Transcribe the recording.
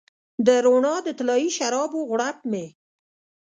د روڼا د طلایې شرابو غوړپ مې